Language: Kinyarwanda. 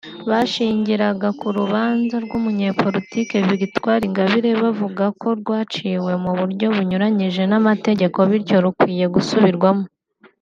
Bashingiraga ku rubanza rw’Umunyapolitiki Victoire Ingabire bavuga ko rwaciwe mu buryo bunyuranyije n’amategeko bityo rukwiye gusubirwamo